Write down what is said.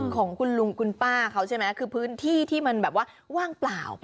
ของคุณลุงคุณป้าเขาใช่ไหมคือพื้นที่ที่มันแบบว่าว่างเปล่า